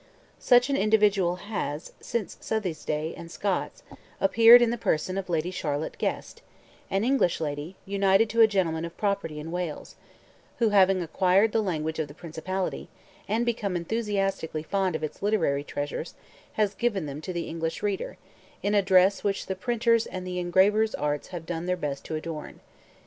Such an individual has, since Southey's day and Scott's, appeared in the person of Lady Charlotte Guest, an English lady united to a gentleman of property in Wales, who, having acquired the language of the principality, and become enthusiastically fond of its literary treasures, has given them to the English reader, in a dress which the printer's and the engraver's arts have done their best to adorn.